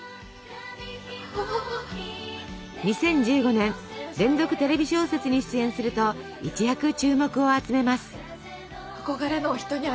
２０１５年連続テレビ小説に出演すると一躍注目を集めます。